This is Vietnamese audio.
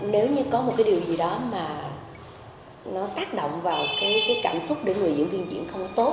nếu như có một cái điều gì đó mà nó tác động vào cái cảm xúc để người diễn viên diễn không có tốt